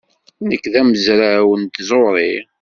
Nekk d amezraw n tẓuri.